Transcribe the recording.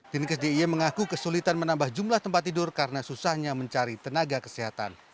dinkes diy mengaku kesulitan menambah jumlah tempat tidur karena susahnya mencari tenaga kesehatan